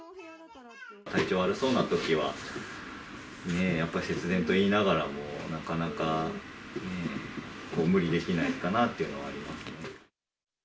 体調悪そうなときは、やっぱり節電といいながらも、なかなか無理できないかなっていうのはありますね。